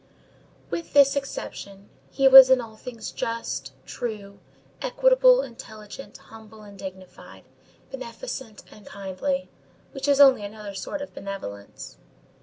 With this exception, he was in all things just, true, equitable, intelligent, humble and dignified, beneficent and kindly, which is only another sort of benevolence.